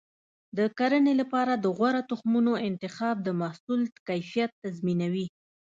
د کرنې لپاره د غوره تخمونو انتخاب د محصول کیفیت تضمینوي.